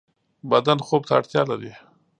بدن خوب ته اړتیا لری